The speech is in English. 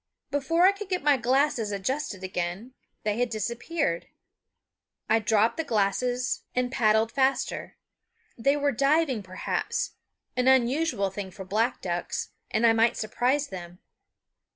Before I could get my glasses adjusted again they had disappeared. I dropped the glasses and paddled faster. They were diving, perhaps an unusual thing for black ducks and I might surprise them.